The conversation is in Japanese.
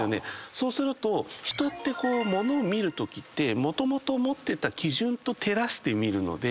そうすると人ってものを見るときってもともと持ってた基準と照らして見るので。